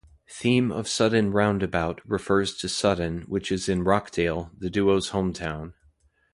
"Theme of Sudden Roundabout" refers to Sudden, which is in Rochdale, the duo's hometown.